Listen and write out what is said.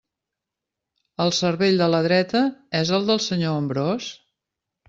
El cervell de la dreta és el del senyor Ambròs?